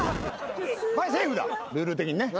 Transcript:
セーフだルール的にね。